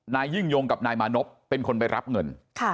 นายยิ่งยงกับนายมานพเป็นคนไปรับเงิน